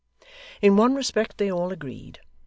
In one respect they all agreed.